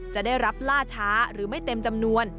จะได้รับล่าช้าหรือไม่เต็มจำนวน